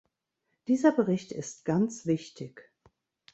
Dieser Bericht ist ganz wichtig.